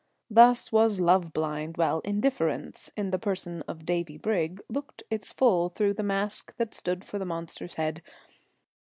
"] Thus was Love blind, while Indifference in the person of Davie Brigg looked its full through the mask that stood for the monster's head.